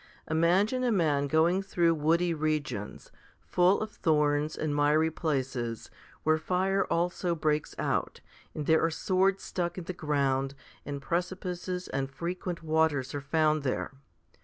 Imagine a man going through woody regions, full of thorns and miry places, where fire also breaks out, and there are swords stuck in the ground, and precipices and frequent waters are found there.